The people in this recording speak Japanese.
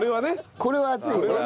これは熱いよね。